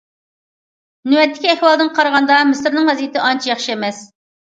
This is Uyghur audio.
نۆۋەتتىكى ئەھۋالدىن قارىغاندا، مىسىرنىڭ ۋەزىيىتى ئانچە ياخشى ئەمەس.